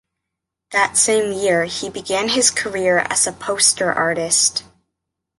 That same year, he began his career as a poster artist.